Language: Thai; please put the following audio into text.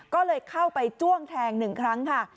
ก็เลยเข้าไปจ้วงแทง๑ครั้งค่ะ